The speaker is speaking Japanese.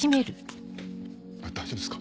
あっ大丈夫ですか？